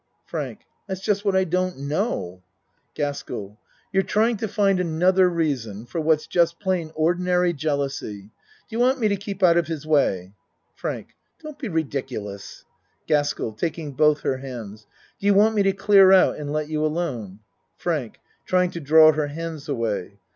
FRANK That's just what I don't know. GASKELL You're trying to find another reason for what's just plain ordinary jealousy. Do you want me to keep out of his way? FRANK Don't be ridiculous. GASKEL. (Taking both her hands.) Do you want me to clear out and let you alone? FRANK (Trying to draw her hands away.)